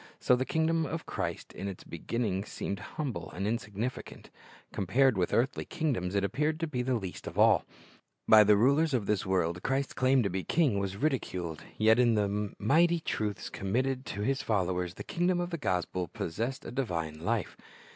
So the kingdom of Christ in its beginning seemed humble and insignificant. Compared with earthly kingdoms it appeared to be the least of all. By the rulers of this world Christ's claim to be a king was ridiculed. Yet in the mighty truths committed to His followers the kingdom of the gospel possessed a divine life.